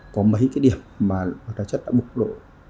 có mấy cái điểm mà luật hóa chất đã bộc lộ